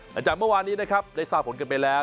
หลังจากเมื่อวานนี้นะครับได้ทราบผลกันไปแล้ว